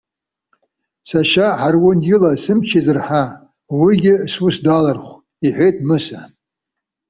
Сашьа Ҳарун ила сымч иазырҳа. Уигьы сус далархәы,- иҳәеит Мыса.